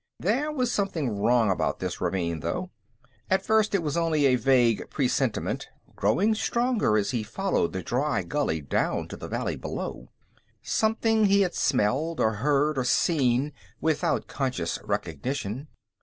There was something wrong about this ravine, though. At first, it was only a vague presentiment, growing stronger as he followed the dry gully down to the valley below. Something he had smelled, or heard, or seen, without conscious recognition.